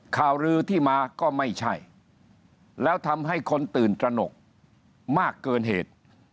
ข่าวลือที่มาก็ไม่ใช่แล้วทำให้คนตื่นตระหนกมากเกินเหตุ